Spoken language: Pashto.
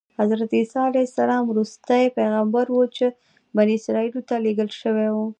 حضرت عیسی علیه السلام وروستی پیغمبر و چې بني اسرایلو ته لېږل شوی.